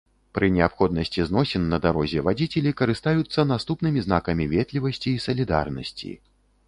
Пры неабходнасці зносін на дарозе вадзіцелі карыстаюцца наступнымі знакамі ветлівасці і салідарнасці.